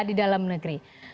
di dalam negeri